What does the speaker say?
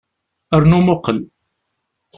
Rnu muqel.